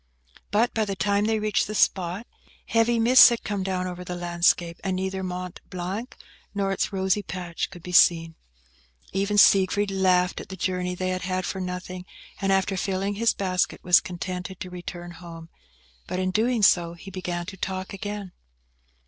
But, by the time they reached the spot, heavy mists had come down over the landscape, and neither Mont Blanc nor its rosy patch could be seen. Even Siegfried laughed at the journey they had had for nothing, and, after filling his basket, was contented to return home; but in doing so, he began to talk again.